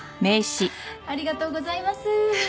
ありがとうございます。